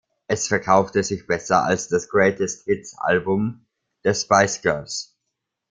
Es verkaufte sich besser als das Greatest-Hits-Album der Spice Girls.